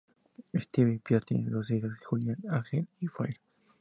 Steve y Pia tienen dos hijos, Julian Angel y Fire.